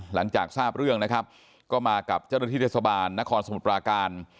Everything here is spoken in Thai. หลังจากทราบเรื่องก็มากับเจ้าระถีนเชษฐาสบานดรนครสมราการ